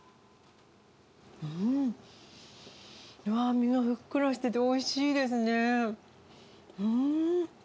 身がふっくらしてておいしいですね。